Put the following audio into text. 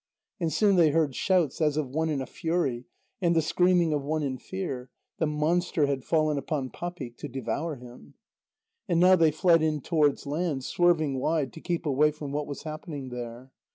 And soon they heard shouts as of one in a fury, and the screaming of one in fear; the monster had fallen upon Papik, to devour him. And now they fled in towards land, swerving wide to keep away from what was happening there.